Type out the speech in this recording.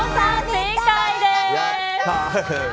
正解です。